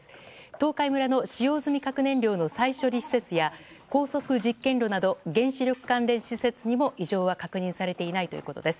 東海村の使用済み核燃料の再処理施設や高速実験炉など原子力関連施設にも異常は確認されていないということです。